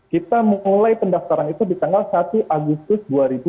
kita mulai pendaftaran itu di tanggal satu agustus dua ribu dua puluh